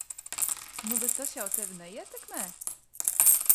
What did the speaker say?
Nu bet tas jau Tevi neietekm?!